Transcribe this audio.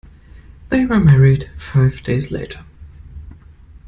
They were married five days later.